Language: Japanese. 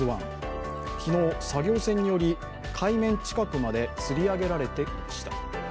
昨日、作業船により海面近くまでつり上げられていました。